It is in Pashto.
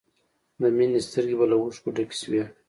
د مینې سترګې به له اوښکو ډکې شوې